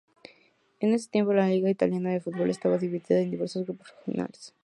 En ese tiempo, la liga italiana de fútbol estaba dividida en diversos grupos regionales.